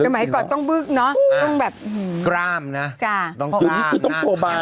เพราะมันหมายถึงต้องบึกต้องแบบ